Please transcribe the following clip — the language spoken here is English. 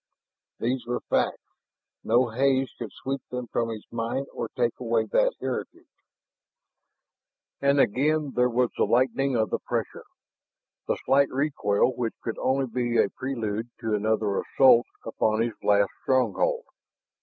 Those were facts; no haze could sweep them from his mind or take away that heritage. And again there was the lightening of the pressure, the slight recoil, which could only be a prelude to another assault upon his last stronghold.